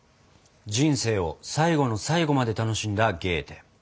人生を最後の最後まで楽しんだゲーテ。